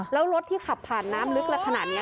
แล้วรถที่ขับผ่านน้ำลึกและขนาดนี้